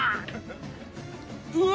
うわ！